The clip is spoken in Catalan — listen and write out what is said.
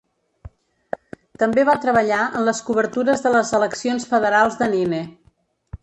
També va treballar en les cobertures de les eleccions federals de Nine.